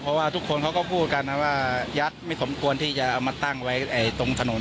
เพราะว่าทุกคนเขาก็พูดกันนะว่ายักษ์ไม่สมควรที่จะเอามาตั้งไว้ตรงถนน